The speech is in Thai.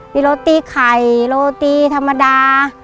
มีโรตีไข่โรตีธรรมดา